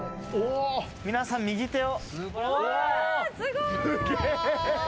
皆さん、右手を。